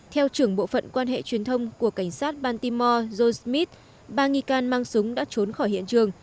theo trưởng bộ phận quan hệ truyền thông của cảnh sát baltimore joe smith ba nghi can mang súng đã trốn khỏi hiện trường